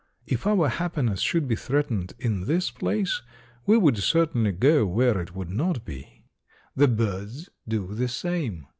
If our happiness should be threatened in this place we would certainly go where it would not be. The birds do the same.